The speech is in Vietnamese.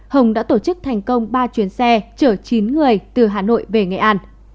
hồng đã tổ chức thành công ba chuyến xe chở chín người từ hà nội về nghệ an